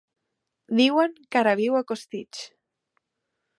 Diuen que ara viu a Costitx.